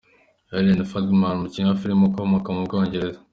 Helen Flanagan, umukinnyi w’amafilime ukomoka mu Bwongereza.